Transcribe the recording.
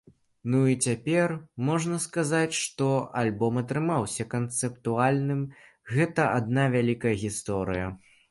Ну, і цяпер можна сказаць, што альбом атрымаўся канцэптуальным, гэта адна вялікая гісторыя.